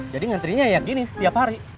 jadi ngantrinya kayak gini tiap hari